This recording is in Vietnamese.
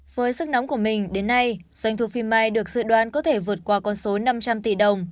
với sức nóng của mình đến nay doanh thu phim mai được dự đoán có thể vượt qua con số năm trăm linh tỷ đồng